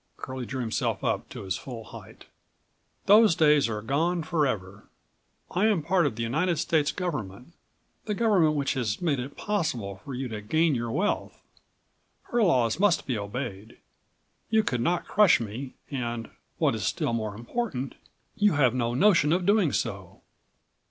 Curlie drew himself up to his full height. "Those days are gone forever. I am part of the United States government, the government which has made it possible for you to gain your wealth. Her laws must be obeyed. You could not crush me and, what is still more important, you have no notion of doing so."